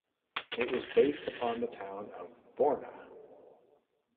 It was based upon the town of Borna.